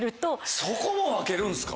そこも分けるんですか？